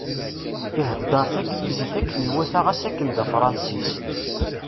Ihedder taglizit akken iwata ɣas akken d Afransis.